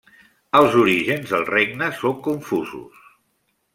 Els orígens del regne són confusos.